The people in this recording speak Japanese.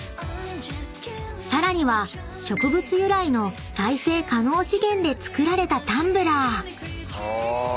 ［さらには植物由来の再生可能資源で作られたタンブラー］